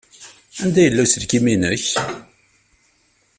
Anda yella uselkim-nnek?